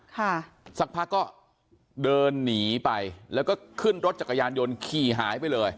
ค่ะสักพักก็เดินหนีไปแล้วก็ขึ้นรถจักรยานยนต์ขี่หายไปเลย